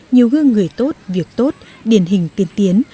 nhiều gương người tốt việc tốt điển hình tiên tiến